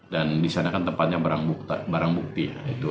di sana kan tempatnya barang bukti